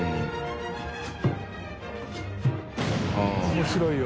面白いよ。